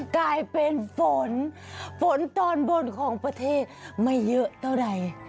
กลายเป็นฝนฝนตอนบนของประเทศไม่เยอะเท่าไร